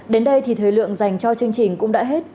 đến đây thì thời lượng dành cho chương trình cũng đã hết